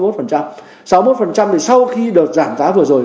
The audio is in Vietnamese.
sáu mươi một thì sau khi đợt giảm giá vừa rồi